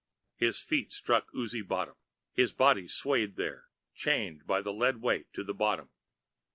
His feet struck oozy bottom. His body swayed there, chained by the lead weight to the bottom.